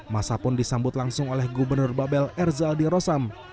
masa pun disambut langsung oleh gubernur babel erzaldi rosam